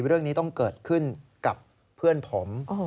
เรื่องนี้ต้องเกิดขึ้นกับเพื่อนผม